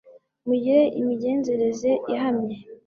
mugire imigenzereze ihamye